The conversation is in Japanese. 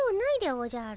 おじゃる！